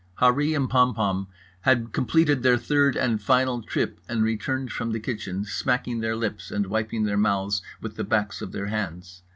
Harree and Pompom had completed their third and final trip and returned from the kitchen, smacking their lips and wiping their mouths with the backs of their hands.